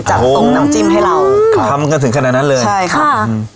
จะส่งน้ำจิ้มให้เราค่ะทำกันถึงขนาดนั้นเลยใช่ค่ะอืม